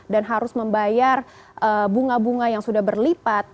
dan harus membayar bunga bunga yang sudah berlipat